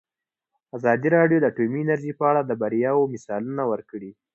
ازادي راډیو د اټومي انرژي په اړه د بریاوو مثالونه ورکړي.